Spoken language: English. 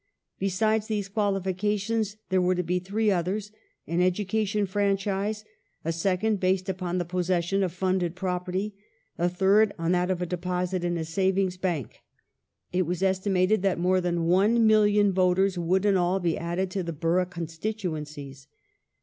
Besides these qualifications there were to be three othei s : an education franchise, a second based upon the possession of funded property. The Bill a third on that of a deposit in a savings bank. It was estimated °^^ that more than 1,000,000 voters would in all be added to the borough constituencies.